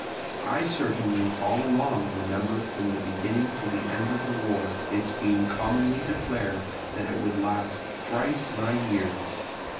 I certainly all along remember from the beginning to the end of the war its being commonly declared that it would last thrice nine years.